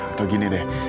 atau gini deh